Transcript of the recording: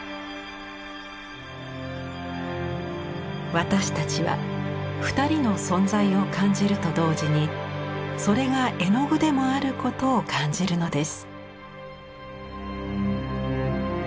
私たちは２人の存在を感じると同時にそれが絵の具でもあることを感じるのです。